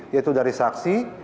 yaitu dari saksi